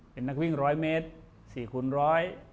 เป็นนักวิ่งร้อยเมตรสี่คูณร้อย